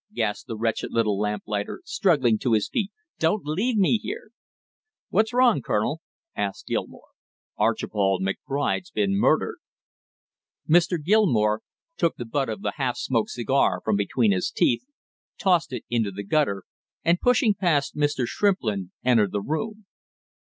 gasped the wretched little lamplighter, struggling to his feet, "don't leave me here " "What's wrong, Colonel?" asked Gilmore. "Archibald McBride's been murdered!" Mr. Gilmore took the butt of the half smoked cigar from between his teeth, tossed it into the gutter, and pushing past Mr. Shrimplin entered the room.